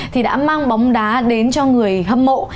thì đã mang bóng đá đến cho người hâm mộ